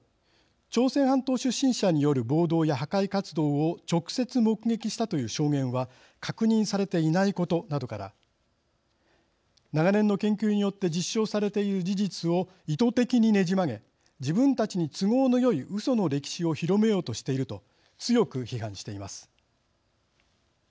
朝鮮半島出身者による暴動や破壊活動を直接目撃したという証言は確認されていないことなどから長年の研究によって実証されている事実を意図的にねじ曲げ自分たちに都合のよいうその歴史を広めようとしていると強く批判しています。